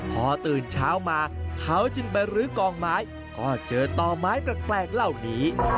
พอตื่นเช้ามาเขาจึงไปรื้อกองไม้ก็เจอต่อไม้แปลกเหล่านี้